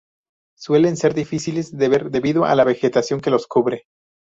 Suelen ser difíciles de ver debido a la vegetación que los cubre.